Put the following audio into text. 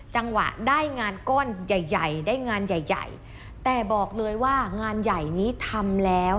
จังหวะได้งานก้อนใหญ่ใหญ่ได้งานใหญ่ใหญ่แต่บอกเลยว่างานใหญ่นี้ทำแล้ว